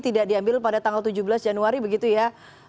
tidak diambil pada tanggal tujuh belas januari begitu ya